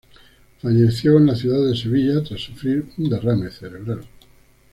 Falleció en la ciudad de Sevilla tras sufrir un derrame cerebral.